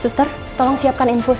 suster tolong siapkan infus